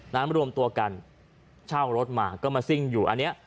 รวมตัวกันเช่ารถมาก็มาซิ่งอยู่อันเนี้ย